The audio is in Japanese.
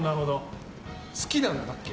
好きなんだっけ？